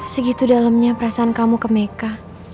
segitu dalemnya perasaan kamu ke meka